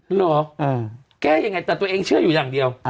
เหรอแก้ยังไงแต่ตัวเองเชื่ออยู่อย่างเดียว